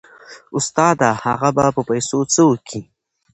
استاده هغه به په پيسو څه وكي.